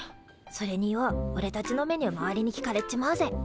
それにようおれたちのメニュー周りに聞かれっちまうぜ。